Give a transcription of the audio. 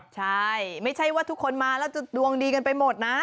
ใช่ไม่ใช่ว่าทุกคนมาแล้วจะดวงดีกันไปหมดนะ